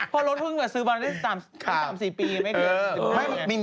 พอรถเพิ่งซื้อบรรที่๓๔ปีไม่ดี